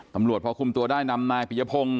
ตำรวจพอคุมตัวได้นำนายปิยพงศ์